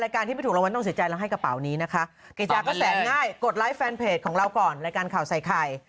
กิจาก็แสงง่ายกดไลฟ์แฟนเพจของเราก่อนรายการข่าวใส่ไข่